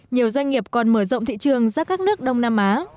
nhiều doanh nghiệp còn mở rộng thị trường ra các nước đông nam á